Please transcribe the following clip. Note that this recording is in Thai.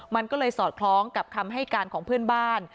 มันก็เลยสอดคล้องกับคำให้การของเพื่อนบ้าน